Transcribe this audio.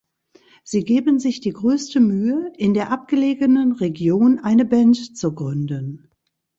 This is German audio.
Sie geben sich die größte Mühe, in der abgelegenen Region eine Band zu gründen.